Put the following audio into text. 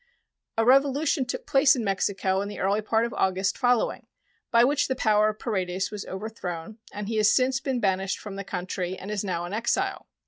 A revolution took place in Mexico in the early part of August following, by which the power of Paredes was overthrown, and he has since been banished from the country, and is now in exile.